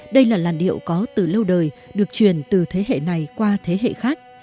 đây là làn điệu có từ lâu đời được truyền từ thế hệ này qua thế hệ khác